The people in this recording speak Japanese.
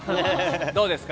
どうですか？